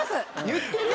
言ってる？